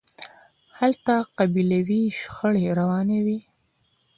هلته قبیلوي شخړې روانې وي.